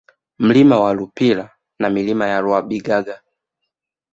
Mlima wa Rupila na Milima ya Rwabigaga